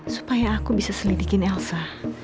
supaya aku bisa selidikin elsa